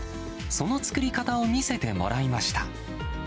その作り方を見せてもらいました。